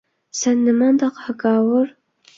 سەن نېمانداق ھاكاۋۇر!